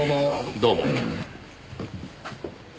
どうも。